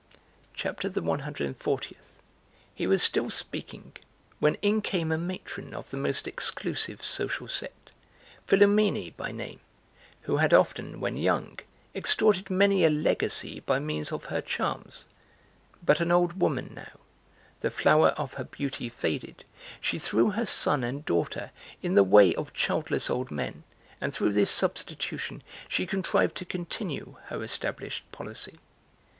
CHAPTER THE ONE HUNDRED AND FORTIETH. (He was still speaking, when in came a) matron of the most exclusive social set, Philumene by name, who had often, when young, extorted many a legacy by means of her charms, but an old woman now, the flower of her beauty faded, she threw her son and daughter in the way of childless old men and through this substitution she contrived to continue her established policy.